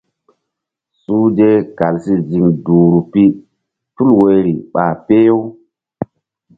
Suhze kal si ziŋ duhri pi tul woyri ɓa peh-u.